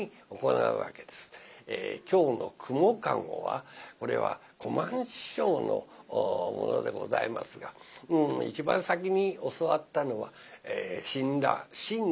今日の「蜘蛛駕籠」はこれは小満ん師匠のものでございますが一番先に教わったのは死んだ志ん五。